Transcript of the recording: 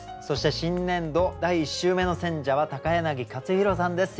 そして新年度第１週目の選者は柳克弘さんです。